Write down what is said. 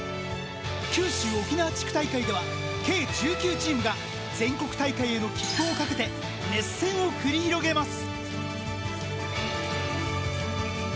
九州沖縄地区大会では計１９チームが全国大会への切符をかけて熱戦を繰り広げます！